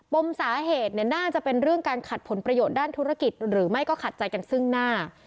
มสาเหตุน่าจะเป็นเรื่องการขัดผลประโยชน์ด้านธุรกิจหรือไม่ก็ขัดใจกันซึ่งหน้า